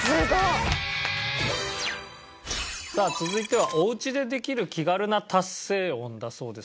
さあ続いてはお家でできる気軽な達成音だそうです。